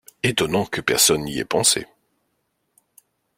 Étonnant que personne n’y ait pensé.